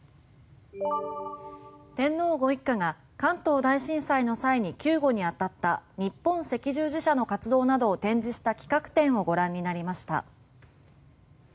天皇ご一家が関東大震災の際に救護にあたった日本赤十字社の活動などを展示した企画展をご覧になりました。